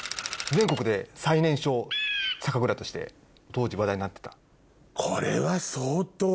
全国で最年少酒蔵として当時話題になってた。